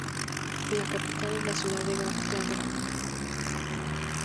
La capital es la ciudad de Gagra.